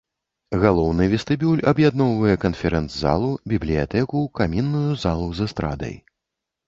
Галоўны вестыбюль аб'ядноўвае канферэнц-залу, бібліятэку, камінную залу з эстрадай.